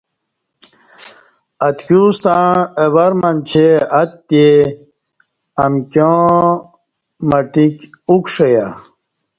اتکیوستݩع اہ ور منچے اتے امکیاں ماٹیک اُوکݜیہ